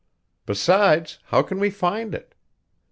Besides, how can we find it?